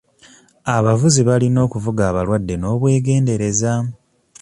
Abavuzi balina okuvuga abalwadde n'obwegendereza.